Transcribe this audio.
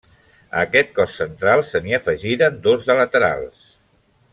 A aquest cos central se n'hi afegiren dos de laterals.